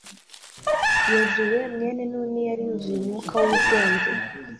yozuwe mwene nuni yari yuzuye umwuka w'ubwenge